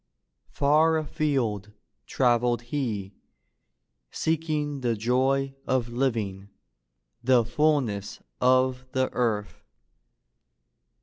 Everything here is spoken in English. Far afield traveled he, seeking the joy of living, the fulness of the earth.